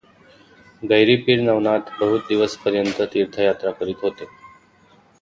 गैरीपीर नवनाथ बहुत दिवसपर्यंत तीर्थयात्रा करित होते.